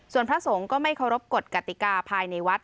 ส่วนพระสงฆ์ก็ไม่เคารพกฎกติกาภายในวัด